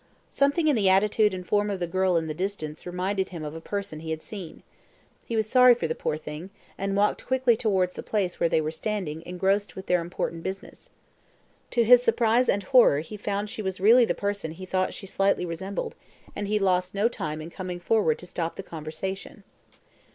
Something in the attitude and form of the girl in the distance reminded him of a person he had seen. He was sorry for the poor thing, and walked quickly towards the place where they were standing engrossed with their important business. To his surprise and horror he found she was really the person he thought she slightly resembled, and he lost no time in coming forward to stop the conversation.